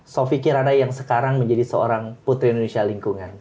sofi kirana yang sekarang menjadi seorang putri indonesia lingkungan